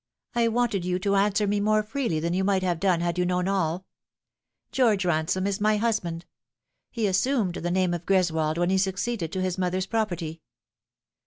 I wanted you to answer me more freely than you might have done had you known all. George Ransome is my husband ; he assumed the name of Greswold when he succeeded to his mother's property."